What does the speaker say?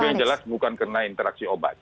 tapi yang jelas bukan karena interaksi obat